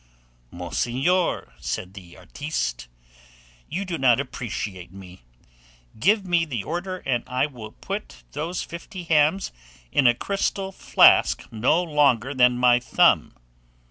"Monseigneur," said the artiste, "you do not appreciate me. Give me the order, and I will put those fifty hams in a crystal flask no longer than my thumb."